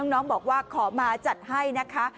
น้องบอกว่าขอมาจัดให้นะคะ